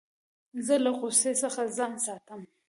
زه له غوسې څخه ځان ساتم.